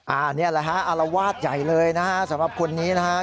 อันนี้แหละฮะอารวาสใหญ่เลยนะฮะสำหรับคนนี้นะฮะ